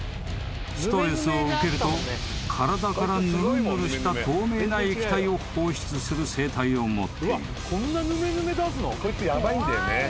［ストレスを受けると体からぬるぬるした透明な液体を放出する生態を持っている］